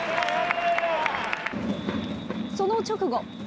その直後。